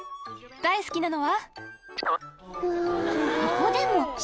大好きなのは？